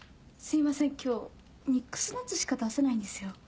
すいません今日ミックスナッツしか出せないんですよ。